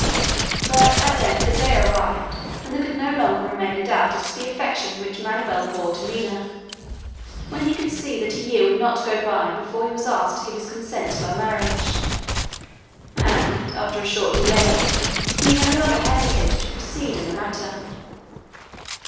But at length the day arrived when there could no longer remain a doubt as to the affection which Manoel bore to Minha, when he could see that a year would not go by before he was asked to give his consent to her marriage, and after a short delay he no longer hesitated to proceed in the matter.